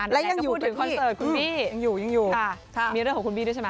และยังอยู่กันพี่คุณบี้ยังอยู่มีเรื่องของคุณบี้ด้วยใช่ไหม